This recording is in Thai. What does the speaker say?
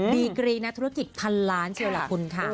ดีกรีนักธุรกิจพันล้านเชียวล่ะคุณค่ะ